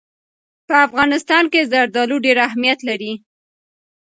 په افغانستان کې زردالو ډېر اهمیت لري.